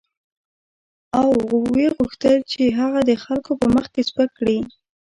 او وغوښتل یې چې هغه د خلکو په مخ کې سپک کړي.